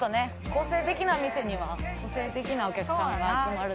個性的な店には個性的なお客さんが集まる。